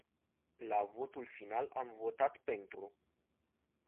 La votul final am votat pentru.